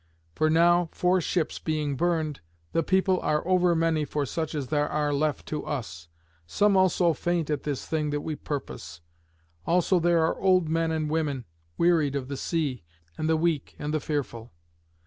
For now, four ships being burned, the people are over many for such as are left to us; some also faint at this thing that we purpose; also there are old men and women, wearied of the sea, and the weak and the fearful.